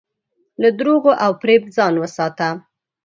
له دروغو او فریب ځان وساته.